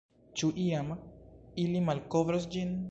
Ĉu iam ili malkovros ĝin?